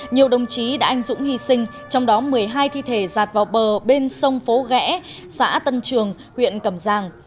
nhiều đồng chí đã anh dũng hy sinh trong đó một mươi hai thi thể giạt vào bờ bên sông phố ghẽ xã tân trường huyện cầm giang